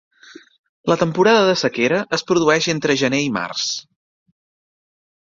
La temporada de sequera es produeix entre gener i març.